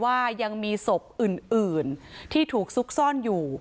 ว่ายังมีศพอื่นที่ถูกซุกซ่อนอยู่